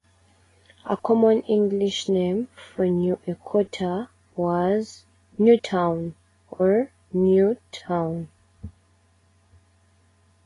A common English name for New Echota was "Newtown" or "New Town.